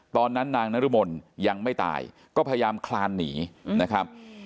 ตอนนั้นนางนรมนยังไม่ตายก็พยายามคลานหนีนะครับ